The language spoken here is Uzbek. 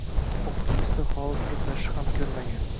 O‘qituvchisi xolis gaplashib ham ko‘rmagan.